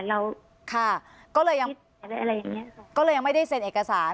เราค่ะก็เลยยังอะไรอย่างเงี้ยค่ะก็เลยยังไม่ได้เซ็นเอกสาร